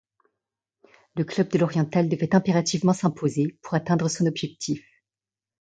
Le club de l’Oriental devait impérativement s’imposer pour atteindre son objectif.